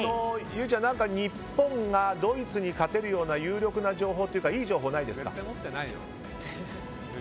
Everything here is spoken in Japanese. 唯ちゃん、日本がドイツに勝てるような有力な情報というかいい情報はないですか？